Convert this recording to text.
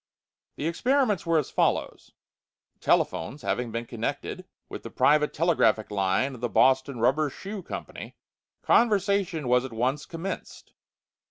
The experiments were as follows: Telephones having been connected with the private telegraphic line of the Boston Rubber Shoe Company, conversation was at once commenced.